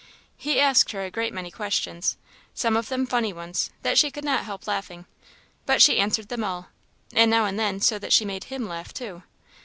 He asked her a great many questions, some of them such funny ones, that she could not help laughing, but she answered them all, and now and then so that she made him laugh too.